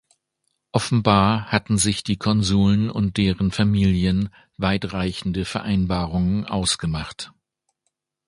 Offenbar hatten sich die Konsuln und deren Familien weitreichende Vereinbarungen ausgemacht.